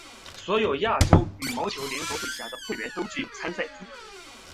所有亚洲羽毛球联合会辖下的会员都具有参赛资格。